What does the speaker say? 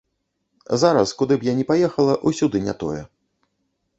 Зараз, куды б я ні паехала, усюды не тое.